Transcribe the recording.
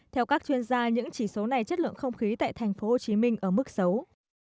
theo các chuyên gia những chỉ số này chất lượng không khí tại tp hcm ở mức xấu